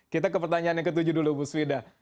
kita ke pertanyaan yang ke tujuh dulu bu svida